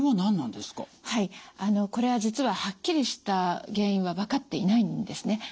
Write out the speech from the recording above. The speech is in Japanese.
あのこれは実ははっきりした原因は分かっていないんですね。